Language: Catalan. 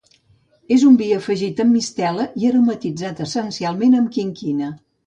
És un vi afegit amb mistela i aromatitzat essencialment amb quinquina.